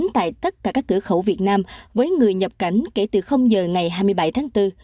tại tất cả các cửa khẩu việt nam với người nhập cảnh kể từ giờ ngày hai mươi bảy tháng bốn